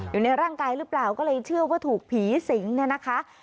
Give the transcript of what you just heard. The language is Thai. อยู่ในร่างกายหรือเปล่าก็เลยเชื่อว่าถูกผีสิงเนี่ยนะคะ